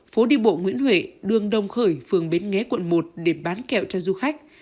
phố đi bộ nguyễn huệ đường đồng khởi phường bến nghé quận một để bán kẹo cho du khách